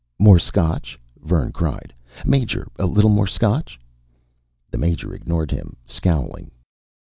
"More scotch?" Vern cried. "Major, a little more scotch?" The Major ignored him, scowling.